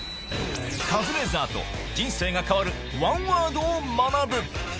カズレーザーと人生が変わるワンワードを学ぶ。